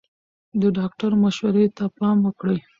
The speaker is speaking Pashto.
د ډاکټر مشورې ته پام وکړئ.